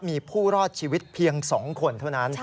มีผู้รอดชีวิตเพียง๒คนเท่านั้น